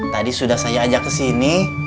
tadi sudah saya ajak kesini